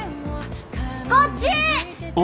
こっち！